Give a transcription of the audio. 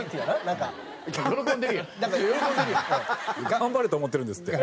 頑張れと思ってるんですって。